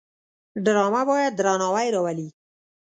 ډرامه باید درناوی راولي